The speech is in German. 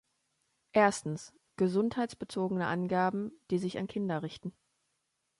Erstens, gesundheitsbezogene Angaben, die sich an Kinder richten.